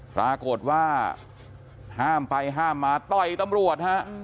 ปรากฏว่าห้ามไปห้ามมาต่อยตำรวจฮะ